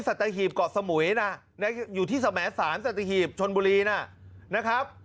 ที่สตาหีบเกาะสมุยนะอยู่ที่สมแสนสตาหีบชนบุรีน่ะนะครับ